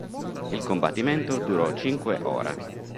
Il combattimento durò cinque ora.